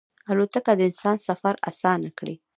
الوتکه د انسان سفر اسانه کړی.